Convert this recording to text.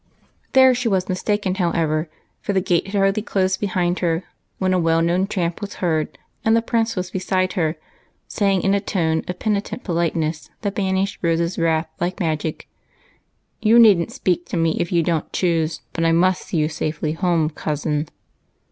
There she was mistaken, however, for the gate had hardly closed behind her when a well known tramp was heard, and the Prince was beside her, saying in a tone of penitent politeness that banished Rose's wrath like magic, —" You need n't speak to me if you don't choose, but I must see you safely home, cousin."